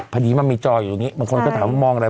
ผัดดีม่ำมีจออยู่ตรงนี้บางคนก็ถามมองอะไร